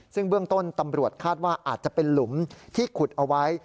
ซึ่งเบื้องต้นตำรวจคาดว่าอาจจะเป็นหลุมที่ขุดเอาไว้